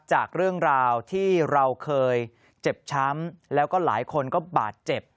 จากเรื่องราวที่เราเคยเจ็บช้ำแล้วก็หลายคนก็บาดเจ็บ